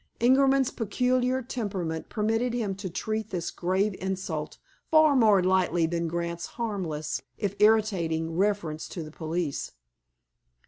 Ingerman's peculiar temperament permitted him to treat this grave insult far more lightly than Grant's harmless, if irritating, reference to the police.